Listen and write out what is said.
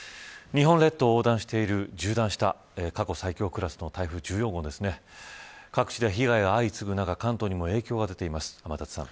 日本列島を縦断した過去最強クラスの台風１４号各地で被害が相次ぐ中関東にも影響が出ています。